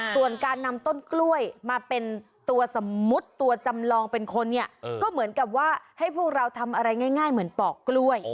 ส่วนการนำต้นกล้วยมาเป็นตัวสมมุติตัวจำลองเป็นคนเนี่ยก็เหมือนกับว่าให้พวกเราทำอะไรง่ายเหมือนปอกกล้วย